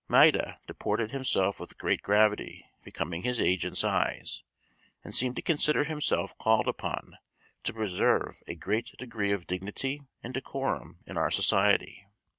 Maida deported himself with a gravity becoming his age and size, and seemed to consider himself called upon to preserve a great degree of dignity and decorum in our society.